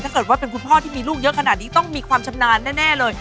ถ้าเกิดว่าเป็นคุณพ่อที่มีลูกเยอะขนาดนี้ต้องมีความชำนาญแน่เลย